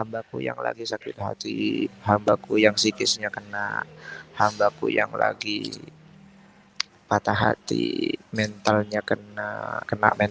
mengangkat derajat mu'nubbih